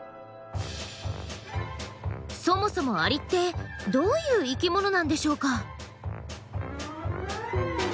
そもそもアリってどういう生きものなんでしょうか？